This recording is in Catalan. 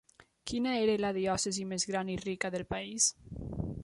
Quina era la diòcesi més gran i rica del país?